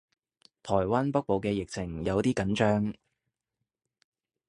台灣北部嘅疫情有啲緊張